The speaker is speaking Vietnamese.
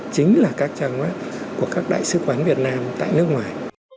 chính là các trang web của các đại sứ quán việt nam tại nước ngoài